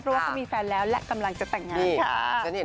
เพราะว่าเขามีแฟนแล้วและกำลังจะแต่งงานค่ะ